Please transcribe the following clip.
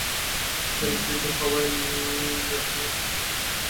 বিশালাকৃতির হওয়ায় ল্যাটভিয়ানদের শুভেচ্ছা।